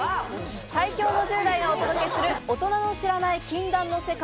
最強の１０代がお届けする、大人の知らない禁断の世界。